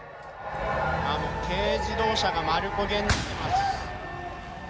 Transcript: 軽自動車が丸焦げになっています。